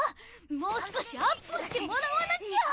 もう少しアップしてもらわなきゃ！